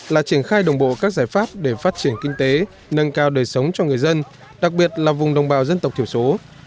là triển khai đồng bộ các giải pháp để phát triển kinh tế nâng cao đời sống cho người dân đặc biệt là vùng đồng bào dân tộc thiểu số